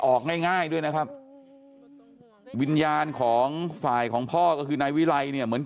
โอ้โฮโอ้โฮโอ้โฮโอ้โฮโอ้โฮโอ้โฮโอ้โฮโอ้โฮ